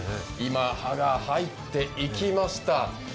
今、刃が入っていきました。